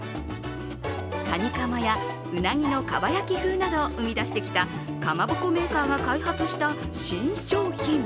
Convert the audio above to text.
かにカマやうなぎのかば焼き風などを生み出してきたかまぼこメーカーが開発した新商品。